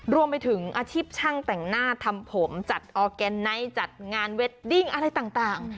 รวมไปถึงอาชีพช่างแต่งหน้าทำผมจัดออร์แกนไนท์จัดงานเวดดิ้งอะไรต่าง